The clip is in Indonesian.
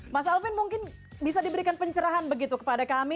mas alvin mungkin bisa diberikan pencerahan begitu kepada kami